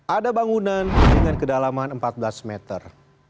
ada bangunan dengan kedalaman empat belas meter